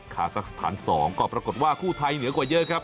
คาซักสถาน๒ก็ปรากฏว่าคู่ไทยเหนือกว่าเยอะครับ